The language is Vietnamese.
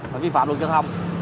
và vi phạm luôn cho thông